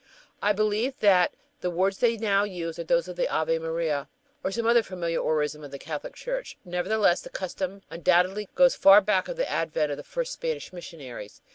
I believe that the words they use now are those of the "Ave Maria," or some other familiar orison of the Catholic Church. Nevertheless, the custom undoubtedly goes far back of the advent of the first Spanish missionaries.